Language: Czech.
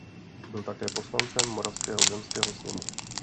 Byl také poslancem Moravského zemského sněmu.